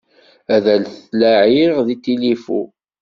Ad t-laɛiɣ deg tilifu.